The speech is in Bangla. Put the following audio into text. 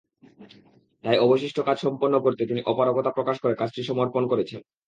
তাই অবশিষ্ট কাজ সম্পন্ন করতে তিনি অপারগতা প্রকাশ করে কাজটি সমর্পণ করেছেন।